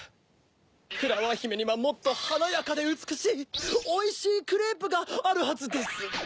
フラワーひめにはもっとはなやかでうつくしいおいしいクレープがあるはずです。